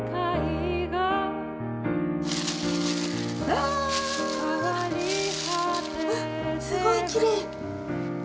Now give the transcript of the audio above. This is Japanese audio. ・ああ！あっすごいきれい。